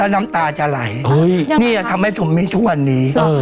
น้ำตาจะไหลนี่ทำให้ผมมีทุกวันนี้